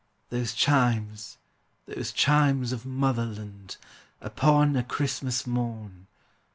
Those chimes, those chimes of Motherland, Upon a Christmas morn.